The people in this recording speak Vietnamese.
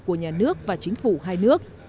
của nhà nước và chính phủ hai nước